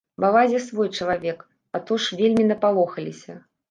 Балазе свой чалавек, а то ж вельмі напалохаліся.